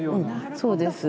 そうです。